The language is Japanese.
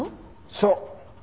そう。